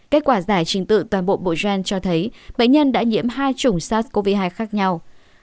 kết quả giải trình tự toàn bộ bộ gen cho thấy bệnh nhân đã nhiễm hai chủng sars cov hai khác nhau